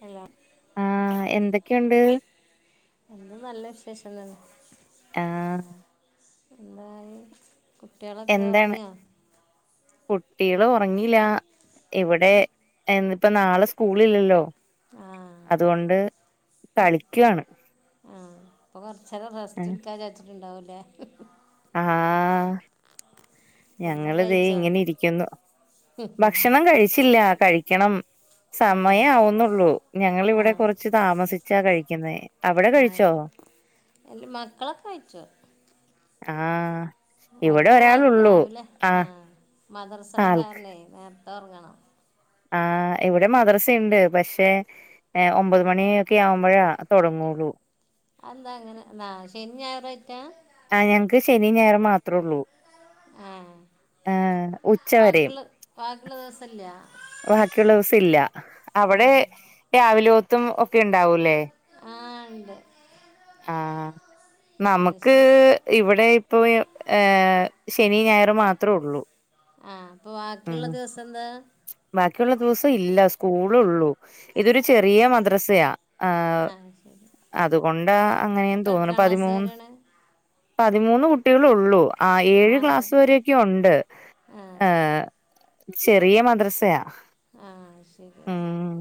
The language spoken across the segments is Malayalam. ഹലോ ആഹ് എന്തൊക്കെയുണ്ട് എന്താ നല്ല വിശേഷം തന്നെ ആഹ് എന്തായി കുട്ടികളൊക്കെ എന്താണ് ഉറങ്ങിയോ കുട്ടികള് ഒറങ്ങിയില്ലാ ഇവിടെ എന്നിപ്പോ നാളെ സ്കൂളില്ലല്ലോ ആഹ് അതുകൊണ്ട് കളിക്കാണ് ഇപ്പ കൊറച്ച് നേരം റെസ്റ്റ് എടുക്കാന്ന് വിച്ചാരിച്ചിട്ട് ഉണ്ടാവൂല്ലേ ആഹ് ഫുഡൊക്കെ ഞങ്ങളിതേ കഴിച്ചോ ഇങ്ങനെ ഇരിക്കുന്നു ഭക്ഷണം കഴിച്ചില്ല കഴിക്കണം ആഹ് സമയം ആവുന്നുള്ളൂ ഞങ്ങളിവിടെ ആഹ് കൊറച്ച് താമസിച്ചാ കഴിക്കുന്നേ അവിടെ ആഹ് കഴിച്ചോ എല്ല മക്കളൊക്കെ കഴിച്ചു ആഹ് ഇവിടെ അവർക്ക് ഒരാളുള്ളൂ രാവിലെ ആ ആഹ് മദ്രസ ഉള്ള ആൾക്ക് കാരണവേ നേരത്തെ ഒറങ്ങണം ആഹ് ഇവിടെ മദ്രസ ഉണ്ട് പക്ഷെ ഏ ഒമ്പത് മണിയൊക്കെ ആവുമ്പോഴാ തൊടങ്ങൂള്ളൂ അതെന്താ അങ്ങനെ ന്നാ ശനിയും ഞായറായിട്ടാ ആഹ് ഞങ്ങക്ക് ശനിയും ഞായറും മാത്രേയുള്ളൂ ആഹ് ഉച്ചവരെയും ബാക്കിള്ള ബാക്കിയുള്ള ദിവസം ഇല്ല ബാക്കിയുള്ള ദിവസവില്ല അവടെ രാവിലോത്തും ഒക്കെ ഉണ്ടാവൂലേ ആഹ് ഇണ്ട് ആ നമുക്ക് ക്ക് ശരി ഇവിടെ ഇപ്പൊ ശനിം ഞായറും മാത്രള്ളൂ ആഹ് അപ്പൊ ബാക്കിള്ള ദിവസന്താ ബാക്കിള്ള ദിവസ ഇല്ല സ്കൂളെള്ളൂ ഇതൊരു ചെറിയ മദ്രസയാ ആ അതുകൊണ്ടാ അങ്ങനെന്ന് അപ്പോൾ തോന്നുന്നു എത്രാം ക്ലാസ് പതിമൂന്ന് വരെയാണ് പതിമൂന്ന് കുട്ട്യോളെള്ളൂ ആ ഏഴ് ആകെ ക്ലാസ്സ് വരെയൊക്കെ ഉണ്ട് ആ ഏ ചെറിയ മദ്രസയാ ആഹ് ശരി ഉം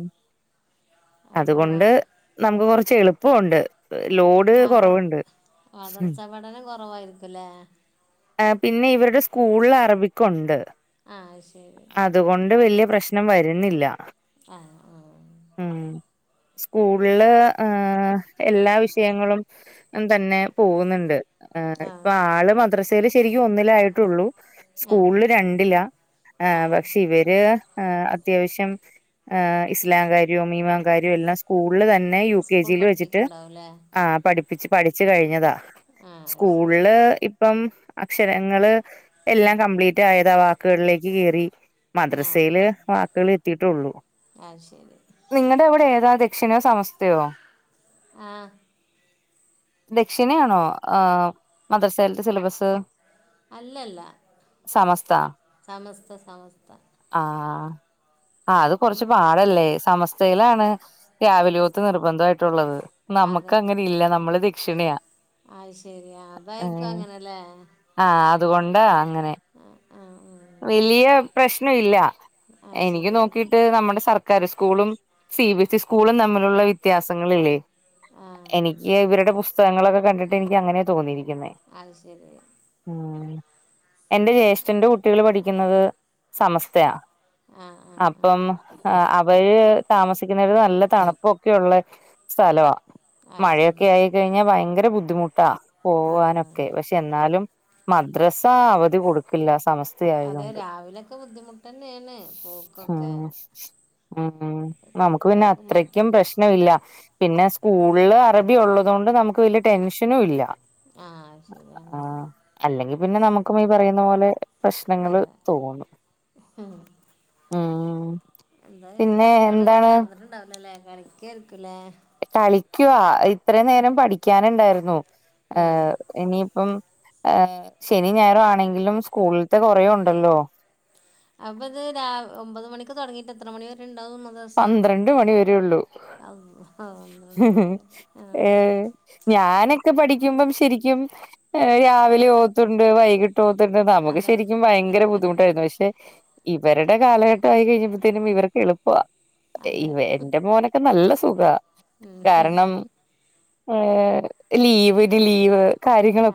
അപ്പ മാ നമക്ക് കൊറച്ച് എളുപ്പുണ്ട് ലോഡ് കൊറവ്ണ്ട് മദ്രസ പഠനം കൊറവായിരിക്കുല്ലേ ആ പിന്നെ ഇവരുടെ സ്കൂളിൽ അറബിക്കുണ്ട് ആഹ്ശരി അതുകൊണ്ട് വല്ല്യ പ്രശ്നം വരുന്നില്ല ആഹ് ആഹ് ഉം സ്കൂളില് ഏ എല്ലാ വിഷയങ്ങളും തന്നെ പോവ്ന്നുണ്ട് ആ ഇപ്പൊ ആള് മദ്രസയില് ശരിക്കും ഒന്നിലായിട്ടെള്ളൂ ആ സ്കൂളില് രണ്ടില ആ പക്ഷെ ഇവര് ആ അത്യാവശ്യം ഇസ്ലാം കാര്യം ഇമാൻ കാര്യം എല്ലാം സ്കൂള് തന്നെ ന്നെ യു കെ സ്കൂൾ ജില് വെച്ച്ട്ട് പഠിപ്പിക്കുന്നുണ്ടാവും അല്ലേ പഠി പപ്പിച്ച് പഠിച്ച് കഴിഞ്ഞതാ ആ ശരി സ്കൂള്ല് ഇപ്പം അക്ഷരങ്ങള് ആ എല്ലാം കംപ്ലീറ്റായത വാക്കുകളിലേക്ക് കേറി ആ ആ മദ്രസയില് വാക്കുകൾ എത്തിട്ടെള്ളൂ ആ ശരി നിങ്ങളവിടെ ഏതാ ദക്ഷിണോ സമസ്തയോ ആ ദക്ഷിണയാണോ ആ മദ്രസേതെ സിലബസ് അല്ലല്ല സമസ്ത സമസ്ത ആ ആ അത് ഉം, കൊറച്ച് പാടല്ലേ സമസ് സ്തയിലാണ് രാവിലേത്ത് നിർബന്ധയിട്ടുള്ളത് നമക്ക് അതെ അങ്ങനെ ഇല്ല നമ്മള് ദക്ഷിണ അല്ലേ ആ അതുകൊണ്ട് അങ്ങനെ ആ ആ ആ വലിയ പ്രശ്ന ഇല്ല ആ അത് എനിക്ക് ശരി നോക്കിട്ട് നമ്മുടെ സർക്കാർ സ്കൂളും സി ബി എസ് സ്കൂളും തമ്മിലുള്ള വ്യത്യാസങ്ങളില്ലേ ആ എനിക്ക് ഇവരുടെ പുസ്തകങ്ങളൊക്കെ കണ്ടിട്ട് എനിക്ക് അങ്ങനെ തോന്നിയിരിക്കുന്നേ അത് ശരി എന്റെ ജ്യേഷ്ഠന്റെ കുട്ടികൾ പഠിക്കുന്നത് സമസ്തയാ ആ ആ ആ അപ്പം ആ അവര് താമസിക്കുന്നത് നല്ല തണുപ്പൊക്കെള്ള സ്ഥലമാണ് അത് മഴയൊക്കെ ശരി ആയി കഴിഞ്ഞാൽ ഭയങ്കര ബുദ്ധിമുട്ടാ ആ പോവാനൊക്കെ പക്ഷെ എന്നാലും മദ്രസ അവധി കൊടുക്കില്ല സമ അതെ രാവിലെയൊക്കെ ബുദ്ധിമുട്ട് തന്നെയാണ് പൊക്കൊക്കെ ഉം ഉം നമുക്ക് പിന്നെ മട് അത്രയ്ക്കും പ്രശ്നമില്ല പിന്നെ സ്കൂളില് അറബി ഉള്ളത് കൊണ്ട് നമുക്ക് വലിയ ടെൻഷനും ഇല്ല ആഹ് ശരി അങ്ങനെ ആഹ് അല്ലെങ്കി പിന്നെ നമുക്കും ഈ പറയുന്ന പോലെ പ്രശ്നങ്ങൾ അതെ തോന്നു മ് മ്മ് എന്താ കുട്ടികൾ കിടന്നിട്ടുണ്ടാവിലല്ലേ കളിക്കായിരിക്കുലേ കളിക്കുവാ ഇത്രയും നേരം പഠിക്കാനുണ്ടായിരുന്നു ഇനിയിപ്പം ശനി ഞായർ ആണെങ്കിലും സ്കൂളിലത്തെ കൊറേ ഉണ്ടല്ലോ അപ്പൊ ഇത് ഒമ്പത് മണിക്ക് തുടങ്ങിട്ട് എത്ര മണി വരെ ഉണ്ടാവും മദ്രസ പന്ത്രണ്ട് മണി വരേള്ളു അള്ളാ പന്ത്രണ്ട് മണി വരെ ഏ ആ ഞാനൊക്കെ പഠിക്കുമ്പം ശരിക്കും രാവിലെ ഓത്തണ്ട് വൈകിട്ട് ഒതുണ്ട് [inaudible] നമുക്ക് അതെ ശരിക്കും ഭയങ്കര ബുദ്ധിമുട്ടായിരുന്നു പക്ഷെ ഇവരുടെ കാലഘട്ടമായി കഴിഞ്ഞപ്പോത്തേനും ഇവർക്ക് എളുപ്പവാ അതെ ഇവ എന്റെ മോനൊക്കെ നല്ല സുഖ കാരണം ഏ ലീവിന് ലീവ്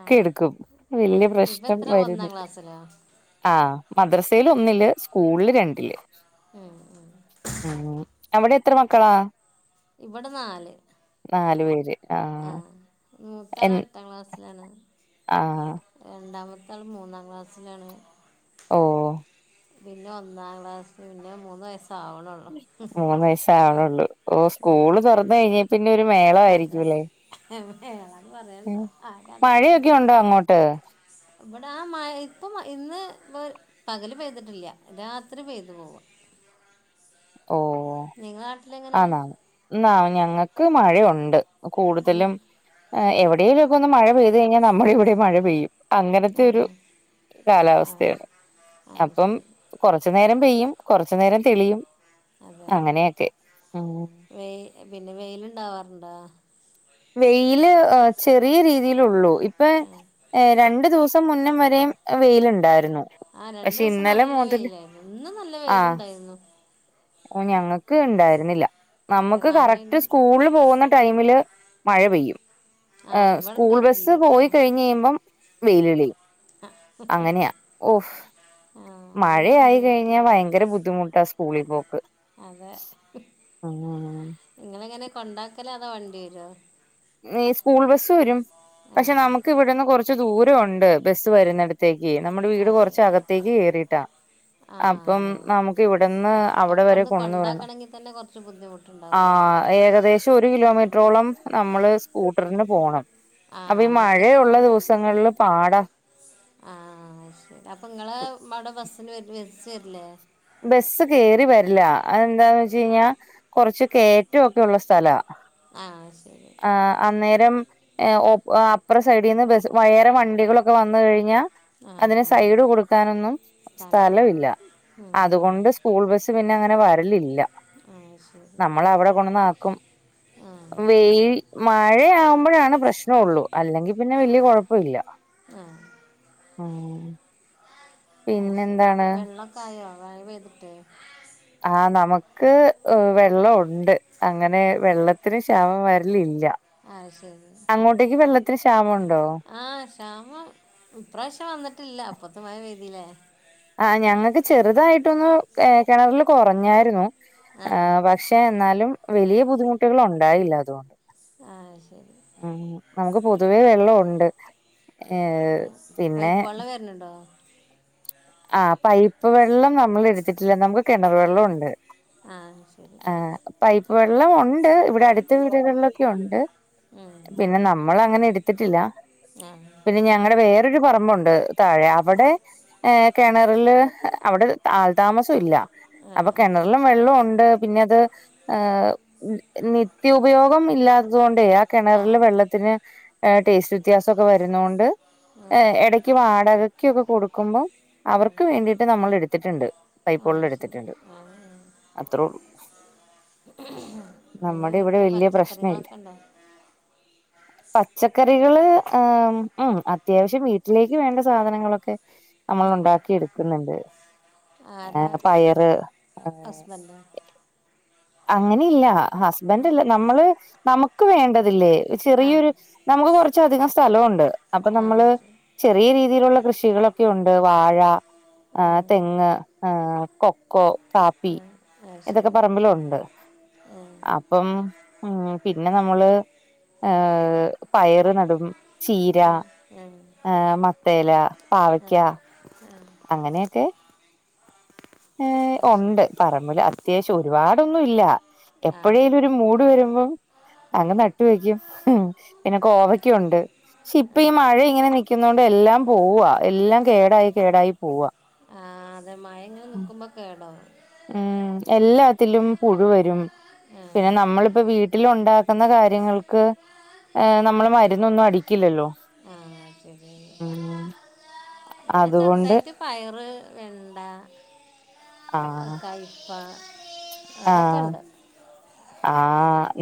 ആ എടുക്കും വല്യ ഇപ്പം പ്രശ്നം എത്ര ഒന്നാം വരുന്നില്ല ക്ലാസ്സിലോ ആഹ മദ്രസൽ ഒന്നില് സ്കൂളില് രണ്ടിൽ ഉം ഉം ഉ അവിടെ എത്ര മക്കളാ ഇവിടെ നാല് നാലു പേര് ആഹ ആഹ മൂത്താള് എട്ടാം ക്ലാസ്സിലാണ് ആഹ രണ്ടാമത്ത ആൾ മൂന്നാം ക്ലാസ്സിലാണ് ഓ പിന്നെ ഒന്നാം ക്ലാസ് പിന്നെ മൂന്ന് വയസ്സ് ആവണള്ളൂ മൂന്ന് വയസ് ആവണള്ളു ഓ ആ സ്കൂള് തുറന്ന് കഴിഞ്ഞ പിന്നെ ഒരു മേള ആയിരിക്കുംല്ലേ ഏഹ് ഏഹ് അതൊന്നും പറയണ്ട ആഹ് മഴയൊക്കെ കഥയെല്ലായിണ്ട് ഉണ്ടോ അങ്ങോട്ട് ഇവിടെ ആഹ മ ഇപ്പം ഇന്ന് പകല് പെയ്തിട്ടില്ല രാത്രി പെയ്തു പോവുക ഓ നിങ്ങള നാട്ടിൽ എങ്ങനാ ആന്നാന്ന് ന്നാ ഞങ്ങൾക്ക് മഴയുണ്ട് കൂടുതലും എവിടെലും ഒന്ന് മഴ പെയ്ത് കഴിഞ്ഞാൽ നമ്മള ഇവിടെ മഴ പെയ്യും അങ്ങനത്തെ ഒരു അതെ ആ കാലാവസ്ഥയാണ് ആ അപ്പം ശരി കൊറച്ചു നേരം പെയ്യും കൊറച്ചു നേരം തെളിയും അങ്ങനെയൊക്കെ ഉം വെ പിന്നെ വെയിലുണ്ടാവാറുണ്ടോ വെയില് ചെറിയ രീതില്ലുള്ളു ഇപ്പൊ രണ്ടു ദിവസം മുന്നം വരെയും വെയിലുണ്ടായിരുന്നു ആഹ് പക്ഷെ രണ്ടുസം ഇന്നലെ നല്ല മുതൽ വെയിലായിരുന്നു ഇന്നും നല്ല ആഹ് വെയിലുണ്ടായിരുന്നു ഞങ്ങക്ക് ഉണ്ടായിരുന്നില്ല അതെ നമ്മുക്ക് കറക്റ്റ് മഴയായിരുന്നു സ്കൂളിൽ പോകുന്ന ടൈമില് മഴ പെയ്യും ആ ഏഹ് ഇവിടെ സ്കൂൾ ഉണ്ടായിട്ടില്ല ബസ് കേട്ടോ പോയി കഴിഞ്ഞ് കഴിയുമ്പം വെയിലളിയും അങ്ങനെയാ ഓഫ് ആ മഴ അതൊരു ആയി കഴിഞ്ഞാൽ ബുദ്ധിമുട്ടാണ് ഭയങ്കര ബുദ്ധിമുട്ടാ സ്കൂളിൽ പോക്ക് അതെ ഉം നിങ്ങളെങ്ങനെ കൊണ്ടാക്കല അതാ വണ്ടി വരോ സ്കൂൾ ബസ് വരും, ആ പക്ഷെ നമുക്ക് ഇവിടുന്ന് കുറച്ച് ദൂരം ഒണ്ട് ബസ്സ് വരുന്നിട ത്തേക്ക് നമ്മുടെ വീട് അത് ശരി കുറച്ചകത്തേക്ക് കേറിയിട്ടാ ആ അപ്പം അങ്ങനെ നമുക്ക് ഇവിടെന്ന് അവിടെ അപ്പോൾ വരെ ഇവിടുന്ന് കൊണ്ടന്ന് വിടണം കൊണ്ടാക്കണമെങ്കിൽ തന്നെ കൊറച്ച് ബുദ്ധി ആഹ് ഏകദേശം ഒരു കിലോമീറ്ററോളം നമ്മള് സ്കൂട്ടറിന് പോണം ആ അപ്പൊ ഈ മഴയുള്ള ദിവസങ്ങളില് പാടാ ആഹ് ശരി അപ്പൊ നിങ്ങളെ അവിടെ ബസ്സിന് വര് ബസ്സ് വരില്ലേ ബസ്സ് കേറി വരില്ല, അതെ എന്താന്ന് വെച്ച കഴിഞ്ഞാ കൊറച്ച് കേറ്റൊ ഒക്കെ ഉള്ള സ്ഥലാ ആഹ് ശരി ആഹ് അന്നേരം അപ്പറ സൈഡിൽന്ന് വേറെ വണ്ടികളൊക്കെ വന്ന് കഴിഞ്ഞാ ആഹ് അതിന് ആഹ് സൈഡ് കൊടുക്കാനൊന്നും സ്ഥലം ഇല്ല ഉം അതുകൊണ്ട് സ്കൂൾ ബസ്സ് പിന്നെ അങ്ങനെ വ ഇല്ല ഉം ആഹ് ശരി നമ്മൾ അവിടെ കൊണ്ടന്നാക്കും ആഹ് വെയി മഴയാവുമ്പോഴാണ് പ്രശ്നംഒള്ളൂ അല്ലെങ്കിൽ പിന്നെ വലിയ കുഴപ്പം ഇല്ല ആഹ് ആഹ് അയ് ശരി വെള്ളൊക്കായോ മഴ പെയ്തിട്ട് ആഹ്‌ നമുക്ക് വെള്ളം ഉണ്ട് അങ്ങനെ വെള്ളത്തിന് ക്ഷാമം വര്ലില്ല അത് ശരി അങ്ങോട്ടേക്ക് വെള്ളത്തിന് ക്ഷാമുണ്ടോ ആഹ് ക്ഷാമം ഇപ്രാവശ്യം വന്നിട്ടില്ല അപ്പോത്തിന്‌ മഴ പെയ്‌തിലേ ആഹ് ഞങ്ങൾക്ക് ചെറുതായിട്ടൊന്ന് കിണറില് കുറഞ്ഞായിരുന്നു ആഹ് ഏഹ് പക്ഷേ എന്നാലും വലിയ ബുദ്ധിമുട്ടുകൾ ഉണ്ടായില്ല അതുകൊണ്ട് ആഹ് ഉം നമുക്ക് പൊതുവേ വെള്ളം ഉണ്ട് ഏഹ് പിന്നെ പെപ്പ് വെള്ളം വെ വര്ല് ഉണ്ടോ ആഹ് പൈപ്പ് വെള്ളം നമ്മള് എടുത്തിട്ടില്ല നമുക്ക് കിണർ വെള്ളം ഉണ്ട് ആഹ് ശരി പൈപ്പ് വെള്ളം ഉണ്ട് ഇവിടെ അടുത്ത വീടുകളിലൊക്കെ ഉണ്ട് ഉം പിന്നെ നമ്മൾ അങ്ങനെ എടുത്തിട്ടില്ല ആഹ് പിന്നെ ഞങ്ങളടെ വേറൊരു പറമ്പുണ്ട് താഴെ അവിടെ ഏഹ് കിണറില് അവിടെ ആള് താമസം ഇല്ല അപ്പൊ ആഹ് കിണറിലും വെള്ളം ഉണ്ട് പിന്നെ അത് ഏഹ്‌ നിത്യ ഉപയോഗം ഇല്ലാത്തത് കൊണ്ട് ആഹ് കിണറില് ആഹ് വെള്ളത്തിന് ടേസ്റ്റ് വ്യത്യാസൊക്കെ വരുന്ന കൊണ്ട് ആഹ് ഇടക്ക് ടക്ക് വാടകക്ക് ഒക്കെ കൊടുക്കുമ്പോം അവർക്ക് വേണ്ടിയിട്ട് നമ്മൾ എടുത്തിട്ടുണ്ട് പൈപ്പ് വെള്ള ആഹ് ശരി എടുത്തിട്ടുണ്ട് ആഹ് ആഹ് അത്ര. ഒള്ളു എന്താ നമ്മുടെ ഇവിടെ വീട്ടിൽ വലിയ പ്രശ്നം ഇല്ല പച്ചക്കറികളൊക്കെ ഉണ്ടോ പച്ചക്കറികള് ആഹ് ഉം അത്യാവശ്യം വീട്ടിലേക്ക് വേണ്ട സാധനങ്ങളൊക്കെ നമ്മൾ ഉം ഇണ്ടാക്കി എടുക്കുന്നുണ്ട് ആരാ പയറ് ഹസ്സ്ബന്റോ അങ്ങനെ ഇല്ല ഹസ്ബൻഡ് അല്ല നമ്മള് നമുക്ക് വേണ്ടതില്ലേ ആ ആ ചെറിയൊരു നമുക്ക് കൊറച്ചധികം സ്ഥലുണ്ട് അപ്പൊ ആ നമ്മള് ശരി ചെറിയ രീതിയിലുള്ള കൃഷികളൊക്കെ ഉണ്ട് വാഴ ആ ആഹ് തെങ്ങ് ആഹ് കൊക്കോ കാപ്പി ആഹ് ഇതൊക്കെ ശെരി പറമ്പിലുണ്ട് ആഹ് അപ്പം ഉം പിന്നെ നമ്മള് ആഹ് പയറ് നടും ചീര ആ ആ ഏഹ മത്തേൻ ഇല ആ പാവക്ക ആ അങ്ങനെയൊക്കെ ഏഹ് അത് ഉണ്ട് ശരി പറമ്പിൽ ത്യാവശ്യം ഒരുപാടൊന്നും ഇല്ല ആ എപ്പഴേലും ഒരു മൂഡ് വരുമ്പം അങ്ങ് നട്ട് വെക്കും പിന്നെ കോവക്യുണ്ട്. ക്ഷെ ഇപ്പൊ ആ ഈ മഴ ഇങ്ങനെ നൽക്കുന്നൊണ്ട് എല്ലാം പോവാ എല്ലാം കേടായി കേടായി പോവ. ആ അതെ മയങ്ങനെ നിക്ക്മ്പോ കേടാവും. ഉം എല്ലാത്തിലും പുഴു വരും ആ പിന്നെ നമ്മളിപ്പോ വീട്ടിലുണ്ടാ ക്ക്ന്ന കാര്യങ്ങൾക്ക് ഏ നമ്മള് മരുന്നൊന്നും അടിക്കില്ലല്ലോ. ഉം ശെര്യാ. ഉം ഇവടെ അതുകൊണ്ട് ചെർതായിട്ട് പയറ് വെണ്ട ആഹ് കൈപ്പ അതൊക്കെണ്ട്. ആ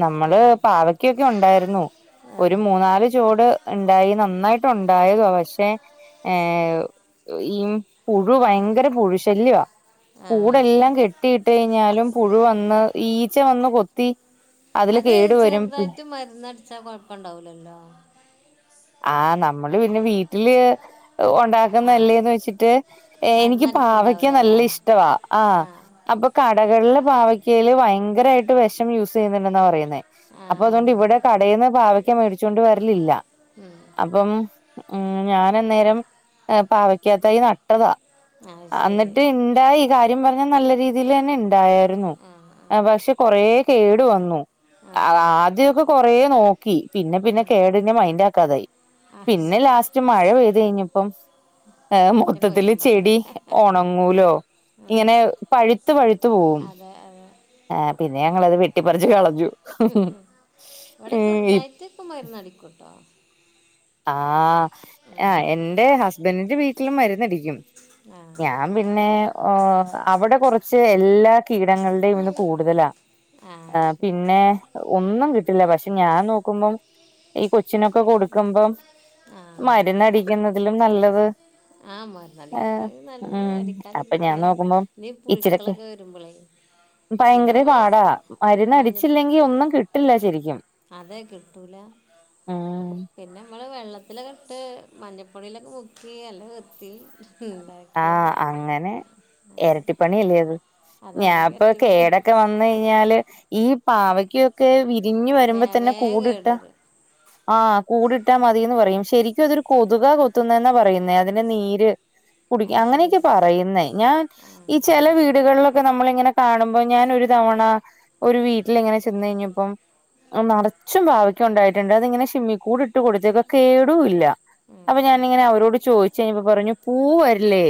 നമ്മള് ഉം. പാവക്കൊക്കെ ഉണ്ടായിരുന്നു ആ ഒരു മൂന്നാല് ചോട് ഇണ്ടായി നന്നായിട്ട് ഉണ്ടായതുവാ പക്ഷെ ഏ ഈ പുഴു ഭയങ്കര പുഴു ശല്യവാ. ആ കൂടെല്ലാം ശരി കെട്ടിയിട്ട് കഴിഞ്ഞാലും പുഴു വന്ന് ഈച്ച വന്ന് കൊത്തി അതില് അത് കേടു വരും ചെർതായിട്ട് മര്ന്ന അട്ച്ചാ കൊഴപ്പം ഇണ്ടാവൂലല്ലോ. ആഹ് നമ്മള് പിന്നെ വീട്ടില് ആ ഒണ്ടാക്കുന്നല്ലേന്ന് വെച്ചിട്ട് എനിക്ക് പാവയ്ക്ക മരുന്നടിക്കുന്നുണ്ടാവുമല്ലോ നല്ല അല്ലേ ഇഷ്ടവാ ആ. അപ്പൊ കടക്കള്ൽ പാവക്കെല് ഭയങ്കരായിട്ട് വെഷം യൂസെ യ്യുന്നുണ്ടെന്നാ പറയുന്നേ. ആ അപ്പൊ അതോണ്ട് ഉണ്ട് ഇവിടെ കടേന്ന് പാവക്ക മേടിച്ചോണ്ട് വരലില്ല. ഉം അപ്പം ഉം ഞാനന്നേരം പാവക്കാ തൈ നട്ടതാ. അത് ശരി അന്നട്ട് ഇണ്ടായി കാര്യം പർഞ്ഞ നല്ല രീതീലെന്നെ ഇണ്ടായെ. രുന്നു ആ പക്ഷെ കൊറേ കേടു വന്നു. ആ ആ അ ആദ്യൊക്കെ കൊറേ നോക്കി പിന്നെ പിന്നെ ആ കേട്നെ മൈന്റാ ക്കാതായി. ആ പിന്നെ ശരി ലാസ്റ്റ് മഴ പെയ്ത് കയ്ഞ്ഞപ്പം ഏ ഒറ്റ മൊത്തത്തില് പോയിട്ടുണ്ടാവില്ലേ ചെടി ഒണ ഒണങ്ങൂലോ ഉം. ഇങ്ങനെ പഴുത്ത് പഴുത്തു പോവും അതെ അതെ പിന്നെ ങ്ങളത് വെട്ടിപ്പറിച്ച് കളഞ്ഞു. ഉം ഉം ഇവടെ ഇ ചെർതായിട്ടൊക്കെ മരുന്നടിക്കൂട്ടോ. ഉം. ആഹ് എന്റെ ഹസ്ബന്റിന്റെ വീട്ടിലും മരുന്നടിക്കും. ആഹ്. ഞാൻ പിന്നെ ഓ അവിടെ കൊറച്ച് എല്ലാ കീടങ്ങളുടെയും ഇത് കൂടുതലാ. ആ പിന്നെ ഒന്നും കിട്ടില്ല പക്ഷെ ഞാൻ നോക്കുമ്പം ഈ കൊച്ചിനൊക്കെ കൊടുക്കുമ്പം ആ മരുന്നടിക്കുന്നതിലും നല്ലത് ആഹ് മരുന്ന് ഏഹ് അടിക്ക്ണ നല്ലത് ഉം അടിക്കാതെ അപ്പൊ ഞാൻ ഇരിക്ക്ണ നോക്കുമ്പം ഈ ഇച്ചിരൊക്കെ പുഴുക്കളൊക്കെ വരുമ്പളേ പിന്നെ ഭയങ്കര നമ്മള് പാടാ മഞ്ഞ മരുന്ന്ടിച്ചില്ലെങ്കി ഒന്നും കിട്ടില്ല ശെരിക്കും. അതെ കിട്ടൂല. ആഹ്. പിന്നെ നമ്മള് വെള്ളത്തിലൊക്കെ ഇട്ട് മഞ്ഞപ്പൊടിയിലൊക്കെ മുക്കി നല്ല വൃത്തിയിൽ ഇണ്ടാ ആഹ് അങ്ങനെ എരട്ടിപ്പണി അല്ലേത് അതെ അത് ഞാൻപ്പൊ കെട്ടിപ്പൊടിയാ കേടൊക്കെ വെ ന്നയ്ഞ്ഞാല് ഈ പാവയ്ക്കൊക്കെ വിരിഞ്ഞ് വേ വരുമ്പോ തന്നെ വേഗം കൂടിട്ട കേട് വരും ആഹ് കൂടിട്ടാ മതിന്ന് പറയും ശെരിക്കും അതൊരു കൊതുകാ കൊത്തുന്നെന്നാ പറയുന്നേ അതിന്റെ നീര് കുടി അത് അങ്ങനെയൊക്കെ ശരി പറയുന്നേ ഞാൻ ഈ ആഹ് ചെല വീടുകൾ നമ്മളിങ്ങനെ കാണുമ്പോ ഞാൻ ഒരു തവണ ഒരു വീട്ടിലിങ്ങനെ ചെന്ന് കഴിഞ്ഞപ്പം ന്നർച്ചും പാവക്ക ഉണ്ടായിട്ണ്ട് അത് ഇങ്ങനെ ഷിമ്മിക്കൂട് ഇട്ട് കൊടുത്തേക്ക കേടും ഇല്ല. ആഹ് അപ്പൊ ശരി ഞാനിങ്ങനെ അവരോട് ചോയ്ച്ച് കയ്ഞ്ഞപ്പോ പറഞ്ഞു പൂ വര്ല്ലേ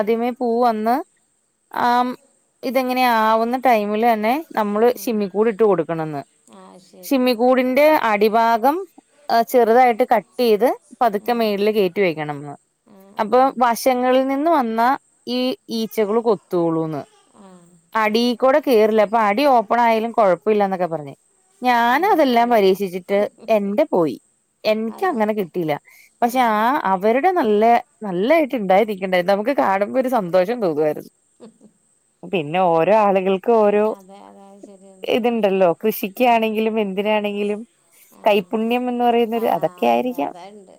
ആഹ് പൂവന്ന് ആ ഇതെങ്ങനെ ആവുന്ന ടൈമിലെ ന്നെ നമ്മള് ഉം സിമ്മിക്കൂട്ട്ട് കൊടുക്കണന്ന് ആഹ് ശരി സിമ്മിക്കൂടിന്റെ അടിഭാഗം ചെറ്തായിട്ട് കട്ടീയ്ത് പത്ക്കെ ആഹ് മേളില് കേ റ്റി വെയ്ക്കണംന്നോ ആഹ് അപ്പൊ ആഹ് വാഷ് ച്ചങ്ങളിൽ നിന്ന് വന്ന ഈ ഈച്ചകള് കൊത്തോളൂന്ന് ആഹ് അടീകൊടെ കീറില്ല അപ്പൊ അടി ഓപ്പണായാലും കൊഴപ്പില്ലന്നൊക്കെ പറഞ്ഞ് നല്ല ഞാനതെല്ലാം പരീക്ഷിച്ചിട്ട് പണിയാണല്ലോ എന്റെ പോയി എൻക്ക് അത് അങ്ങനെ ശരി കിട്ടീല്ല ആ പക്ഷെ ആ വര്ടെ നല്ല നല്ലായിട്ട് ണ്ടായിരിക്കണ്ടായി നമക്ക്കാണുമ്പോ ഒരു സന്തോഷം തോന്നുായിരുന്നു ഉം ഹ്ഹ് പിന്നെ ഓരോ ആളുകൾക്ക് ഓരോ അതെ അതെ അത് ശരിയാണ് ഇത്ണ്ടല്ലോ കൃഷിക്കാണെങ്കിലും എതിനാണെങ്കിലും കൈപുണ്യം എന്ന് ആ പറയുന്നത് ആ അതൊക്കെ അതെ ആയിരിക്കാം അതുണ്ട്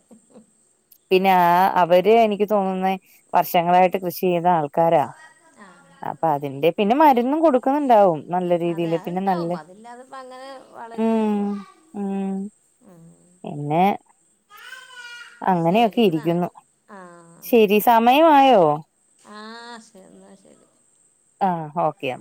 പിന്നെ ആ അവര് എനിക്ക് തോന്നുന്ന വർഷങ്ങളായിട്ട് കൃഷി ചെയ്ത ആൾക്കാരാ ആ അപ്പ അതിന്റെ പിന്നെ മരുന്നും കൊടു അതെ അത്ണ്ടാവും അതില്ലാതെപ്പ അങ്ങനെ ഉം വളരൂലല്ലോ ഉം ആഹ് പിന്നെ അങ്ങനെയൊക്കെ ശരി എന്നാൽ ഇരിക്കുന്നു ആ ശരി സമയആയോ ആ ശ ന്നാശരി ആ ഓക്കെ